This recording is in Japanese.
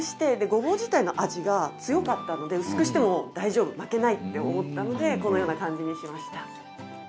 ゴボウ自体の味が強かったので薄くしても大丈夫負けないって思ったのでこのような感じにしました。